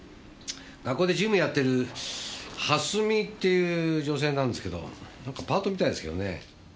学校で事務やってる蓮見っていう女性なんですけど何かパートみたいですけどね。